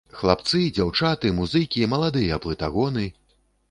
Хлапцы, дзяўчаты, музыкі, маладыя плытагоны.